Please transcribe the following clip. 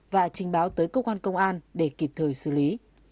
và trình báo tới cơ quan công an để kịp thời xử lý